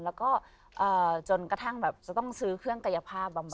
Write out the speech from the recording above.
แล้วก็จนกระทั่งแบบจะต้องซื้อเครื่องกายภาพบำบัดมาทำเองบ้าง